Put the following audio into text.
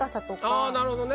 ああなるほどね。